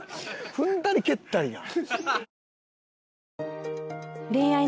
踏んだり蹴ったりやん。